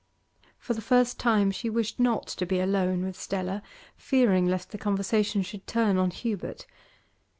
For the first time she wished not to be alone with Stella, fearing lest the conversation should turn on Hubert.